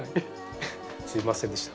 すみませんでした。